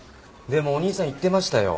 でもお兄さん言ってましたよ。